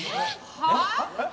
はあ？